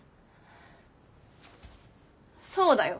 そうだよ。